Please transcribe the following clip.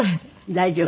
大丈夫。